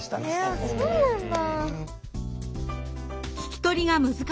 そうなんだ。